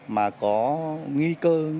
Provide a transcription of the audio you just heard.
mà có nghi cơ